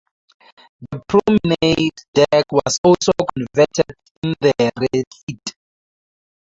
The promenade deck was also converted in the refit.